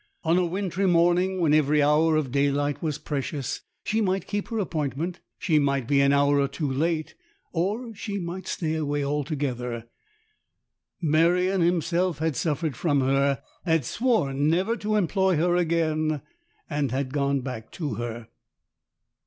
On a wintry morning, when every hour of daylight was precious, she might keep her appointment, she might be an hour or two late, or she might stay away altogether. Merion himself had suffered from her, had sworn never to employ her again, and had gone back to her.